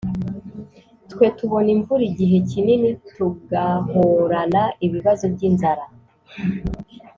twe tubona imvura igihe kinini tugahorana ibibazo by’inzara?